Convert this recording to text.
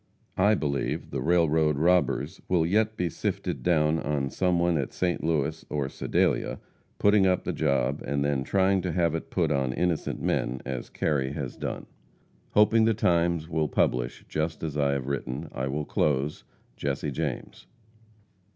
I believe the railroad robbers will yet be sifted down on some one at St. Louis or Sedalia putting up the job and then trying to have it put on innocent men, as Kerry has done. Hoping the Times will publish just as I have written, I will close. JESSE JAMES.